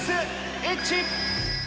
イッチ。